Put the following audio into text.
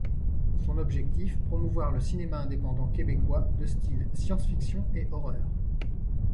Son objectif: promouvoir le cinéma indépendant québécois de style science-fiction et horreur.